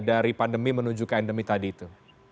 dari pandemi menuju ke endemi tadi itu